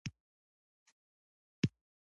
یو څوک خوب د ډوډۍ وویني